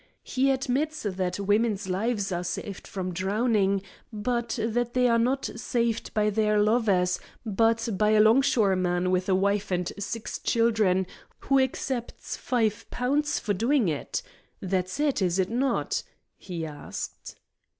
He admits that women's lives are saved from drowning, but that they are not saved by their lovers, but by a longshoreman with a wife and six children, who accepts five pounds for doing it. That's it, is it not?" he asked.